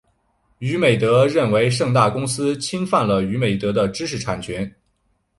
娱美德认为盛大公司侵犯了娱美德的知识产权。